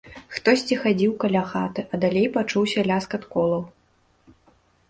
Хтосьці хадзіў каля хаты, а далей пачуўся ляскат колаў.